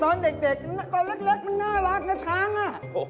ตอนเด็กตอนเล็กมันน่ารักนะช้างอ่ะ